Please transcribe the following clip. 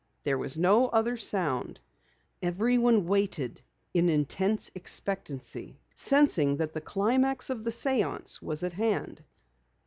There was no other sound. Everyone waited in tense expectancy, sensing that the climax of the séance was at hand.